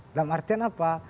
dalam artian apa